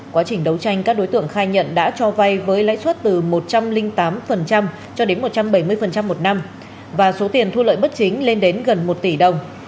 quá trình đấu tranh các đối tượng khai nhận đã cho vay với lãi suất từ một trăm linh tám cho đến một trăm bảy mươi một năm và số tiền thu lợi bất chính lên đến gần một tỷ đồng